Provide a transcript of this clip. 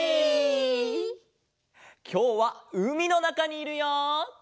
きょうはうみのなかにいるよ！